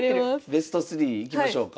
ベスト３いきましょうか？